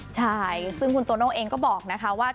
ใช่ซึ่งคุณโตโน่เองก็บอกนะคะว่า